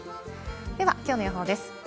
では、きょうの予報です。